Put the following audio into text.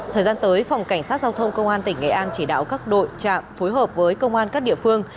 thời gian tới phòng cảnh sát giao thông công an tỉnh nghệ an chỉ đạo các đội trạm phối hợp với công an các địa phương